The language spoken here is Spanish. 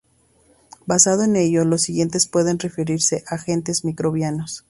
Basado en ello, los siguientes pueden referirse a agentes microbianos.